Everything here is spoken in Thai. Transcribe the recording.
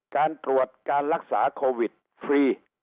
การตรวจการรักษาโควิดฟรี